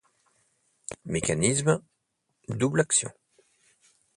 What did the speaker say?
Mécanisme: Double Action.